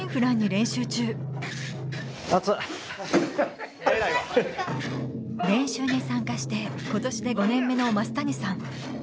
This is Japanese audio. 練習に参加して今年で５年目の舛谷さん